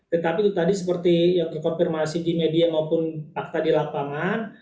tetapi itu tadi seperti yang dikonfirmasi di media maupun fakta di lapangan